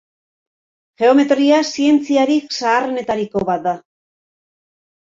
Geometria zientziarik zaharrenetariko bat da.